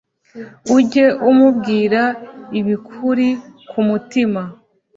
Ujye umubwira ibikuri ku mutima